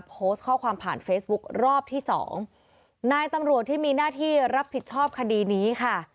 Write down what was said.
โพสต์ข้อความผ่านเฟซบุ๊ครอบที่สองนายตำรวจที่มีหน้าที่รับผิดชอบคดีนี้ค่ะ